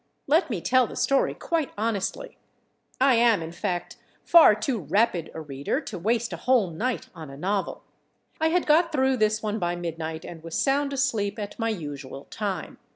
Let me tell the story quite honestly. I am, in fact, far too rapid a reader to waste a whole night on a novel; I had got through this one by midnight and was sound asleep at my usual time.